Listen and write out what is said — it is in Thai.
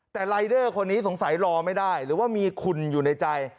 แต่รายเดอร์คนนี้สงสัยรอไม่ได้หรือว่ามีคุณอยู่ในใจ